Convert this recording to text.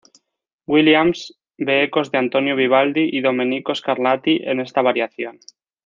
Williams ve ecos de Antonio Vivaldi y Domenico Scarlatti en esta variación.